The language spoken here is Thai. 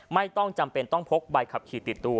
ไม่ต้องจำเป็นต้องพกใบขับขี่ติดตัว